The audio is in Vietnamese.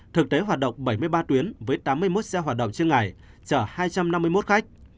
thực tế hoạt động bảy mươi ba tuyến với tám mươi một xe hoạt động trên ngày chở hai trăm năm mươi một khách